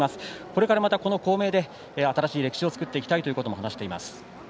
これからまた、この校名で新しい歴史を作っていきたいとも話しています。